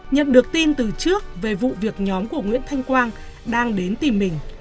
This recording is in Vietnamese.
nhận được tin từ trước về vụ việc nhóm của nguyễn thanh quang đang đến tìm mình